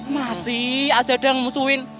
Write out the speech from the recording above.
masih aja ada yang musuhin